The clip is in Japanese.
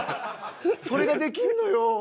「それができんのよ」。